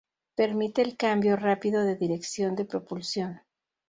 Permite el cambio rápido de dirección de propulsión.